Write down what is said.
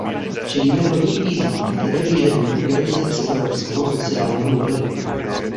Čelíme novým výzvám, které vyžadují modernizaci evropského sociálního modelu.